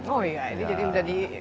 oh iya ini jadi menjadi